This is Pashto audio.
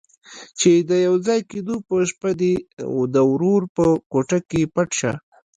چې د يوځای کېدو په شپه دې د ورور په کوټه کې پټ شه.